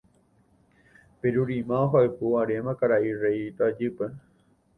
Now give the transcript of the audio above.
Perurima ohayhu aréma karai rey rajýpe.